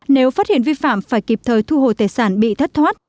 nếu phát hiện vi phạm phải kịp thời thu hồi tài sản bị thất thoát